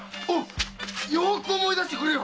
よく思い出してくれよ！